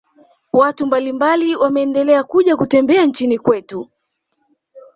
watu mbalimbali wameendela kuja kutembea nchini kwetu